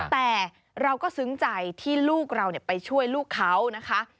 แต่เราก็ซึ้งใจที่ลูกเราไปช่วยลูกเขานะคะ